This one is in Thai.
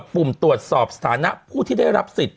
ปุ่มตรวจสอบสถานะผู้ที่ได้รับสิทธิ